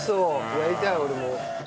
やりたい俺も。